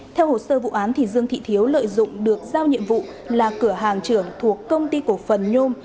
theo hồ sơ vụ án dương thị thiếu lợi dụng được giao nhiệm vụ là cửa hàng trưởng thuộc công ty cổ phần nhôm